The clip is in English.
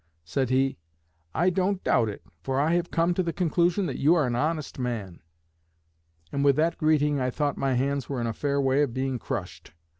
Said he, 'I don't doubt it, for I have come to the conclusion that you are an honest man,' and with that greeting I thought my hands were in a fair way of being crushed.